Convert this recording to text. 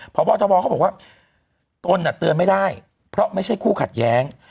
พอพ่อเจ้าพ่อเขาบอกว่าตนอะเตือนไม่ได้เพราะไม่ใช่คู่ขัดแย้ง